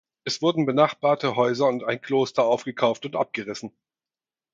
Es wurden benachbarte Häuser und ein Kloster aufgekauft und abgerissen.